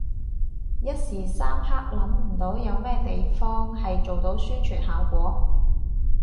一時三刻諗唔到有咩地方係做到宣傳效果